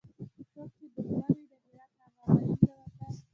څوک چي دښمن وي د هرات هغه غلیم د وطن